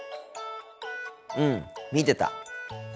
うん見てた。